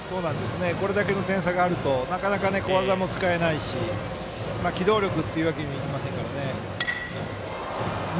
これだけの点差があると小技も使えないし機動力というわけにもいきませんからね。